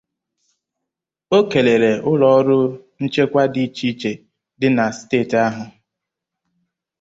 O kelere ụlọọrụ nchekwa dị iche iche dị na na steeti ahụ